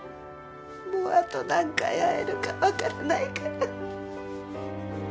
もうあと何回会えるかわからないから。